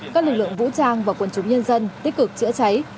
các lực lượng vũ trang và quân chúng nhân dân tích cực chữa cháy